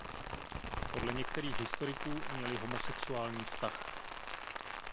Podle některých historiků měli homosexuální vztah.